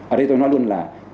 ở đây tôi nói luôn là